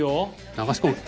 流し込む。